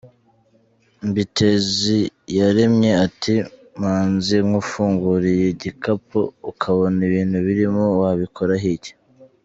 Mbiteziyaremye ati “Manzi, nkufunguriye igikapu ukabona ibintu birimo wabikoraho iki?”.